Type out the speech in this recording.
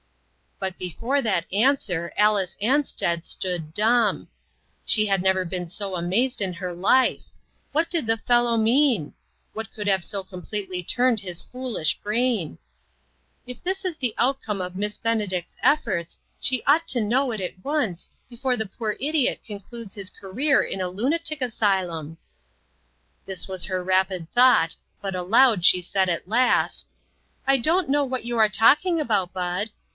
But before that answer, Alice Ansted stood dumb. She had never been so amazed in her life ! What did the fellow mean ? What could have so completely turned his foolish brain ?" If this is the outcome of Miss Benedict's efforts, she ought to know it at once, before the poor idiot concludes his career in a lunatic asylum." This was her rapid thought, but aloud she said, at last :" I don't know what you are talking about, Bud.